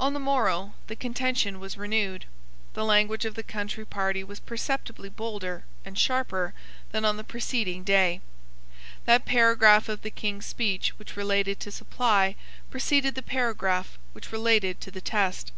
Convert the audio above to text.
On the morrow the contention was renewed. The language of the country party was perceptibly bolder and sharper than on the preceding day. That paragraph of the King's speech which related to supply preceded the paragraph which related to the test.